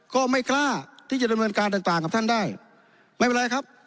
ก็ไม่กล้าที่จะดำเนินการต่างต่างกับท่านได้ไม่เป็นไรครับ